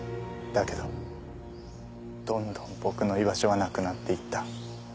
だけどどんどん僕の居場所はなくなっていった。